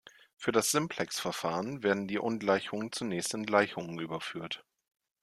Für das Simplex-Verfahren werden die Ungleichungen zunächst in Gleichungen überführt.